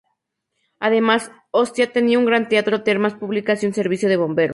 Además, Ostia tenía un gran teatro, termas públicas y un servicio de bomberos.